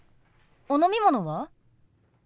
お飲み物は？